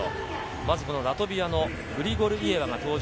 ラトビアのグリゴルイエワか登場。